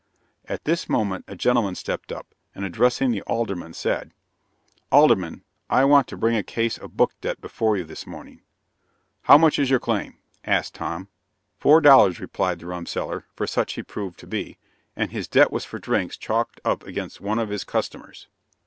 At this moment, a gentleman stepped up, and addressing the Alderman, said: "Alderman, I want to bring a case of book debt before you this morning." "How much is your claim?" asked Tom. "Four dollars," replied the rumseller for such he proved to be and his debt was for drinks chalked up against one of his "customers."